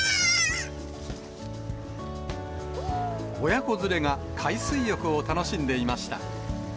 親子連れが海水浴を楽しんでいました。